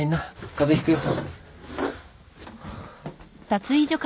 風邪ひくよ。